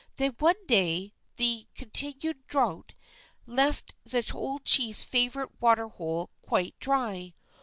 Then one day the continued drought left the old chief's favorite water hole quite dry.